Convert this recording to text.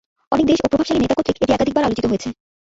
অনেক দেশ ও প্রভাবশালী নেতা কর্তৃক এটি একাধিকবার আলোচিত হয়েছে।